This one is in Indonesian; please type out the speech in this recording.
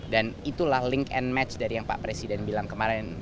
dan itu lah link and match dari yang pak presiden bilang kemarin